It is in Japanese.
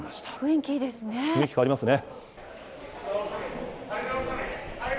雰囲気変わりますね。